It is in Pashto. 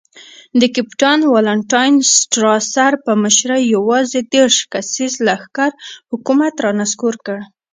د کپټان والنټاین سټراسر په مشرۍ یوازې دېرش کسیز لښکر حکومت را نسکور کړ.